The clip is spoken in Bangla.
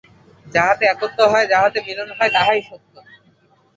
যাহাতে একত্ব হয়, যাহাতে মিলন হয়, তাহাই সত্য।